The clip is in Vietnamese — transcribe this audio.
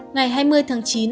ngày hai mươi tháng chín